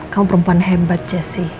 kamu perempuan hebat jessy